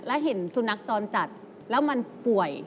แล้วเห็นสุนัขจรจัดแล้วมันป่วย